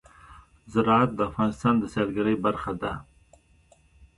زراعت د افغانستان د سیلګرۍ برخه ده.